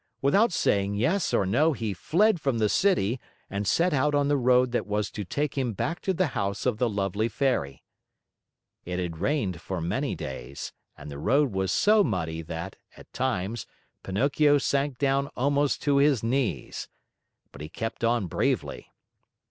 Without saying yes or no, he fled from the city and set out on the road that was to take him back to the house of the lovely Fairy. It had rained for many days, and the road was so muddy that, at times, Pinocchio sank down almost to his knees. But he kept on bravely.